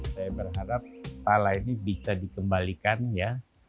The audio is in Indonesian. saya berharap pala ini bisa dikembalikan ya